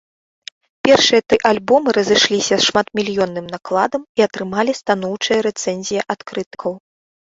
Першыя тры альбомы разышліся шматмільённым накладам і атрымалі станоўчыя рэцэнзіі ад крытыкаў.